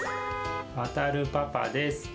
わたるパパです。